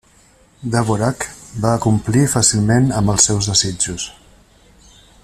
Dvořák va complir fàcilment amb els seus desitjos.